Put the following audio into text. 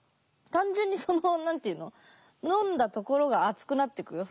単純にその何て言うの飲んだところが熱くなってくよ